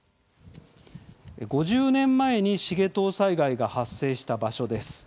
５０年前に繁藤災害が発生した場所です。